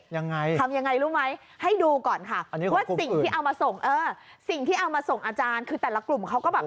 ยังไงทำยังไงรู้ไหมให้ดูก่อนค่ะว่าสิ่งที่เอามาส่งเออสิ่งที่เอามาส่งอาจารย์คือแต่ละกลุ่มเขาก็แบบ